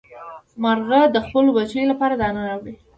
مارغه د خپلو بچیو لپاره دانه راوړي.